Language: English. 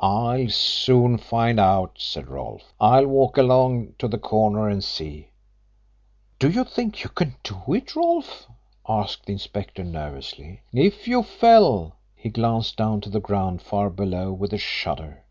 "I'll soon find out," said Rolfe. "I'll walk along to the corner and see." "Do you think you can do it, Rolfe?" asked the inspector nervously. "If you fell " he glanced down to the ground far below with a shudder.